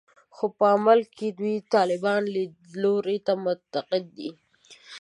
خو په عمل کې دوی طالباني لیدلوري ته معتقد دي